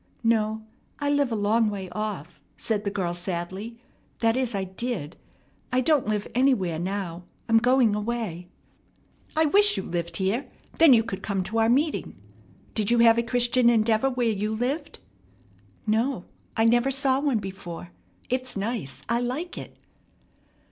"No. I live a long way off," said the girl sadly. "That is, I did. I don't live anywhere now. I'm going away." "I wish you lived here. Then you could come to our meeting. Did you have a Christian Endeavor where you lived?" "No. I never saw one before. It's nice. I like it."